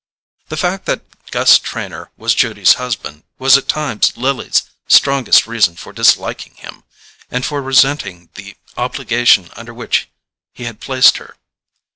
The fact that Gus Trenor was Judy's husband was at times Lily's strongest reason for disliking him, and for resenting the obligation under which he had placed her.